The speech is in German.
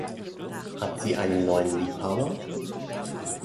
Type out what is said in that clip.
Hat sie einen neuen Liebhaber?